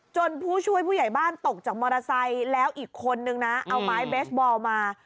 ผู้ช่วยผู้ใหญ่บ้านตกจากมอเตอร์ไซค์แล้วอีกคนนึงนะเอาไม้เบสบอลมา